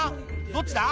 「どっちだ？